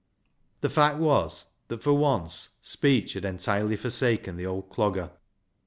The fact was that, for once, speech had entirely forsaken the old Clogger.